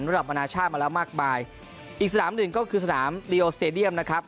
สนามปะนาชามาแล้วมากมายอีกสนามหนึ่งก็คือสนามนะครับ